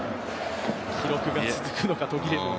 記録が続くのか途切れるのか。